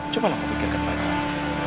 cuma mau kau pikirkan baik baik